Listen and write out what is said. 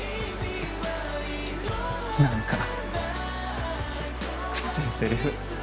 何かくせえセリフ。